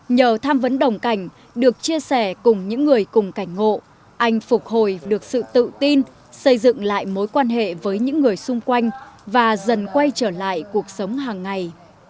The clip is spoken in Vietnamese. nhờ tham vấn đồng cảnh được chia sẻ cùng những người cùng cảnh ngộ anh phục hồi được sự tự tin xây dựng lại mối quan hệ với những người xung quanh và dần quay trở lại cuộc sống hàng ngày